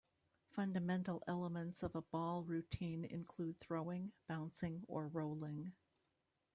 Fundamental elements of a ball routine include throwing, bouncing or rolling.